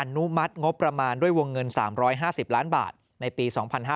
นุมัติงบประมาณด้วยวงเงิน๓๕๐ล้านบาทในปี๒๕๕๙